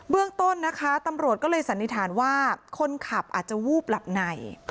เรื่องต้นนะคะตำรวจก็เลยสันนิษฐานว่าคนขับอาจจะวูบหลับใน